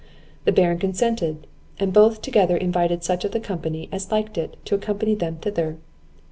The Baron consented; and both together invited such of the company, as liked it, to accompany them thither.